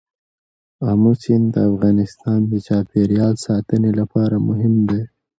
آمو سیند د افغانستان د چاپیریال ساتنې لپاره مهم دی.